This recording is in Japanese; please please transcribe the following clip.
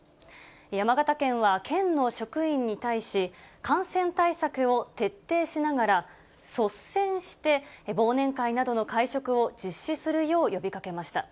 山形県は県の職員に対し、感染対策を徹底しながら、率先して忘年会などの会食を実施するよう呼びかけました。